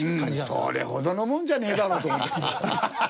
それほどのもんじゃねえだろと思って。